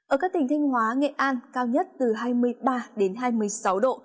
ở các tỉnh thanh hóa nghệ an cao nhất từ hai mươi ba đến hai mươi sáu độ